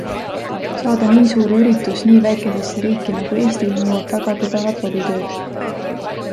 Saada nii suur üritus nii väikesesse riiki nagu Eesti nõuab väga tugevat lobitööd.